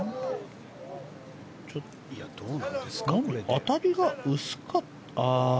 当たりが薄かった？